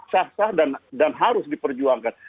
saksar dan harus diperjuangkan